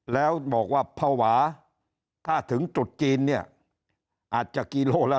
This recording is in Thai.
แล้วบอกว่าภาวะถ้าถึงจุดจีนเนี่ยอาจจะกิโลละ